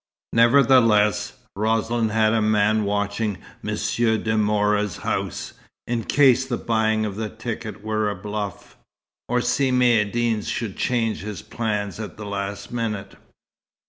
Nevertheless, Roslin had a man watching Monsieur de Mora's house, in case the buying of the ticket were a "bluff," or Si Maïeddine should change his plans at the last minute.